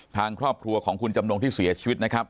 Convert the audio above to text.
ทางครอบครัวของคุณจำนงที่เสียชีวิตนะครับ